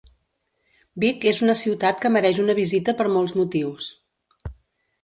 Vic és una ciutat que mereix una visita per molt motius.